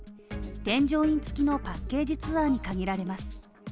添乗員付きのパッケージツアーに限られます。